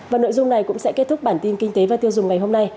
và nội dung này cũng sẽ kết thúc bản tin kinh tế và tiêu dùng ngày hôm nay